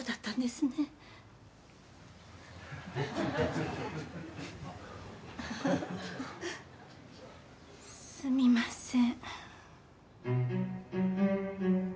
すみません。